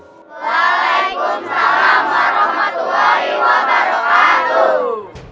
waalaikumsalam warahmatullahi wabarakatuh